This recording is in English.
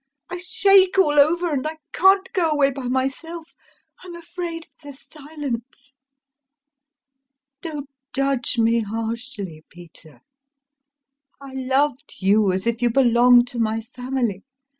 I shake all over, and I can't go away by myself, I'm afraid of the silence. Don't judge me harshly, Peter... I loved you, as if you belonged to my family.